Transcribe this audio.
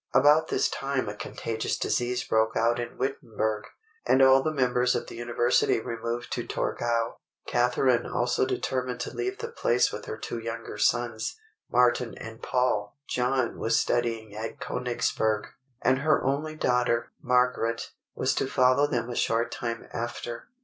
About this time a contagious disease broke out in Wittenberg, and all the members of the University removed to Torgau. Catharine also determined to leave the place with her two younger sons, Martin and Paul (John was studying at Konigsberg), and her only daughter, Margaret, was to follow them a short time after.